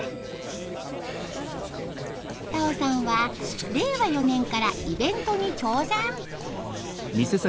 タオさんは令和４年からイベントに挑戦。